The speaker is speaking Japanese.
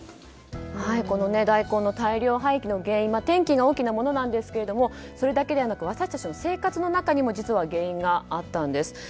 この大根の大量廃棄の原因天気が大きなものなんですがそれだけではなく私たちの生活の中にも実は原因があったんです。